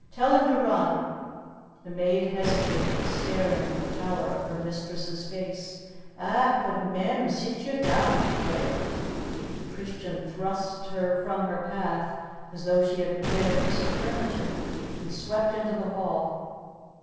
Tell him to run!" The maid hesitated, staring at the pallor of her mistress's face. "Eh, but, mem sit you down!" she wailed. Christian thrust her from her path as though she had been a piece of furniture, and swept into the hall.